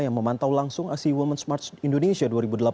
yang memantau langsung aksi women's march indonesia dua ribu delapan belas